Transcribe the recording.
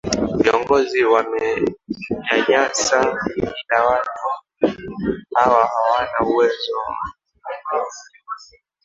viongozi wamewanyanyasa ila watu hawa hawana uwezo